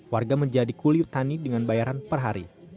warga menjadi kuli petani dengan bayaran per hari